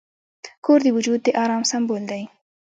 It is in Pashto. کور د وجود د آرام سمبول دی.